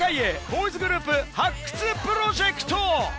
ボーイズグループ発掘プロジェクト。